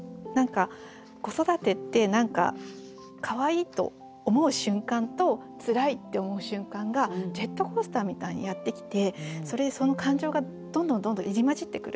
子育てって何かかわいいと思う瞬間とつらいって思う瞬間がジェットコースターみたいにやってきてそれでその感情がどんどんどんどん入り交じってくる。